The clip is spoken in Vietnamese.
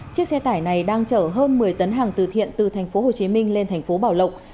chiếc xe tải này đang chở hơn một mươi tấn hàng từ thiện từ thành phố hồ chí minh lên thành phố bảo lộc